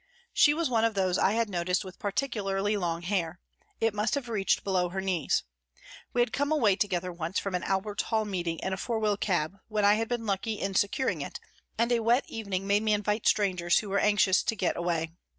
She was one of those I had noticed with particularly long hair ; it must have reached below her knees. We had come away to gether once from an Albert Hall meeting in a four wheel cab when I had been lucky in securing it, and a wet evening made me invite strangers who were anxious to get away.